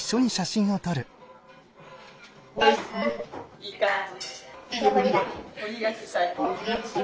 いい感じ。